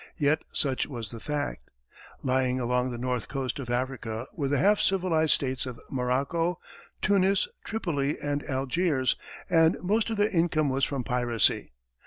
Yet such was the fact. Lying along the north coast of Africa were the half civilized states of Morocco, Tunis, Tripoli, and Algiers, and most of their income was from piracy.